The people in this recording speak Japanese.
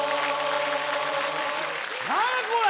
何やこれ！